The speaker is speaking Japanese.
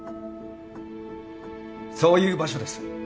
そういう場所です